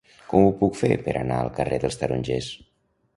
Com ho puc fer per anar al carrer dels Tarongers?